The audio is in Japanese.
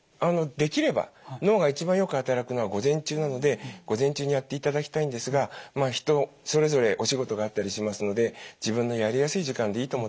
できれば脳が一番よく働くのは午前中なので午前中にやっていただきたいんですが人それぞれお仕事があったりしますので自分のやりやすい時間でいいと思ってます。